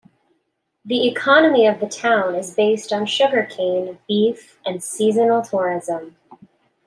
The economy of the town is based on sugar cane, beef and seasonal tourism.